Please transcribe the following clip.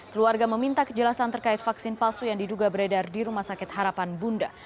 keluarga meminta kejelasan terkait vaksin palsu yang diduga beredar di rumah sakit harapan bunda